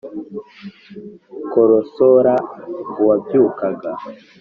korosora uwabyukaga